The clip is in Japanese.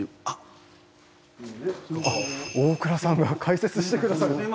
あっ大倉さんが解説してくださる。